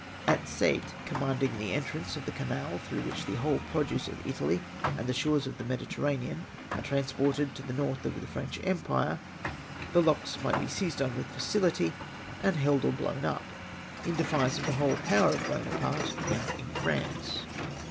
At Cette — commanding the entrance of the canal through which the whole produce of Italy and the shores of the Mediter ranean are transported to the north of the French empire — the locks might be seized on with facility, and held or blown up, in defiance of the whole power of Buonaparte now in France.